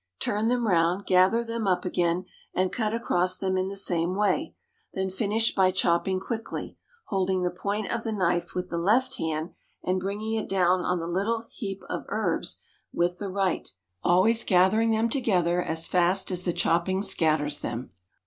Turn them round; gather them up again, and cut across them in the same way; then finish by chopping quickly, holding the point of the knife with the left hand and bringing it down on the little heap of herbs with the right, always gathering them together as fast as the chopping scatters them.